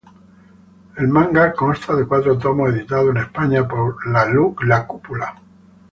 El manga consta de cuatro tomos, editados en España por La Cúpula.